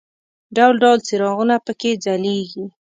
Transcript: ډول ډول څراغونه په کې ځلېږي.